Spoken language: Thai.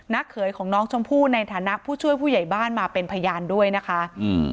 เขยของน้องชมพู่ในฐานะผู้ช่วยผู้ใหญ่บ้านมาเป็นพยานด้วยนะคะอืม